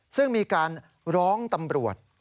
ซึ่งมีการร้องตำรวจ